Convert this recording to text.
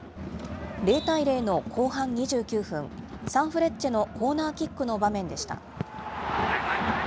０対０の後半２９分、サンフレッチェのコーナーキックの場面でした。